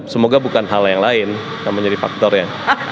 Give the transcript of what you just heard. semoga bukan hal yang lain yang menjadi faktor ya